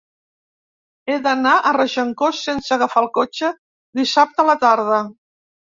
He d'anar a Regencós sense agafar el cotxe dissabte a la tarda.